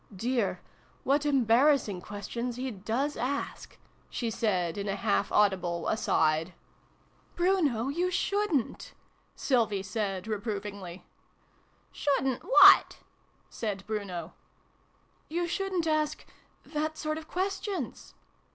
" Dear ! What embarrassing questions he does ask !" she said in a half audible ' aside.' 154 SYLVIE AND BRUNO CONCLUDED. " Bruno, you shouldn't !" Sylvie said re provingly. "Shouldn't what?" said Bruno. " You shouldn't ask that sort of questions."